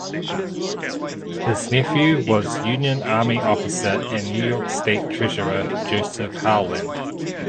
His nephew was Union Army officer and New York State Treasurer Joseph Howland.